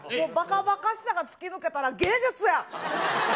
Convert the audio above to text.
ばかばかしさが突き抜けたら芸術や！